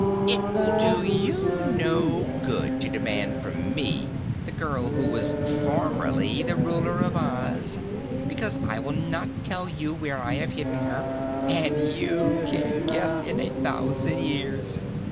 It will do you no good to demand from me the girl who was formerly the Ruler of Oz, because I will not tell you where I have hidden her, and you can't guess in a thousand years.